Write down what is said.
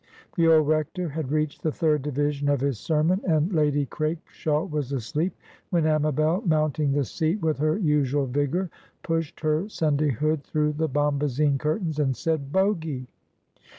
The old Rector had reached the third division of his sermon, and Lady Craikshaw was asleep, when Amabel, mounting the seat with her usual vigor, pushed her Sunday hood through the bombazine curtains, and said,— "Bogy!"